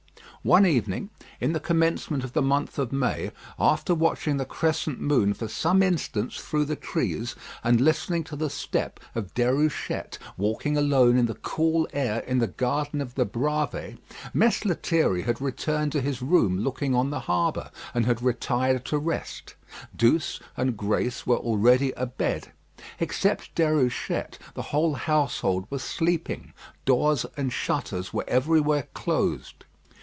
One evening, in the commencement of the month of May, after watching the crescent moon for some instants through the trees, and listening to the step of Déruchette, walking alone in the cool air in the garden of the Bravées, Mess Lethierry had returned to his room looking on the harbour, and had retired to rest; Douce and Grace were already a bed. Except Déruchette, the whole household were sleeping. Doors and shutters were everywhere closed.